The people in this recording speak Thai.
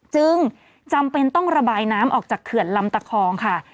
จึงจำเป็นต้องระบายน้ำออกจากเขื่อนลำตะคองค่ะ